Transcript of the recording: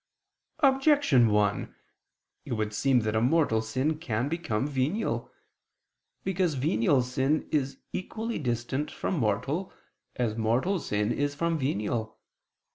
Objection 1: It would seem that a mortal sin can become venial. Because venial sin is equally distant from mortal, as mortal sin is from venial.